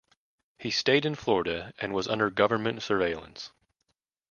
He stayed in Florida and was under government surveillance.